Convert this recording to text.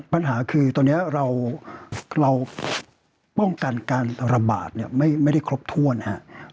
ปัญหาคือตอนนี้เราป้องกันการระบาดไม่ได้ครบถ้วนนะครับ